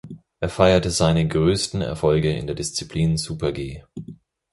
Er feierte seine größten Erfolge in der Disziplin Super-G.